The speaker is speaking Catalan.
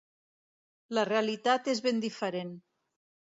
La realitat és ben diferent.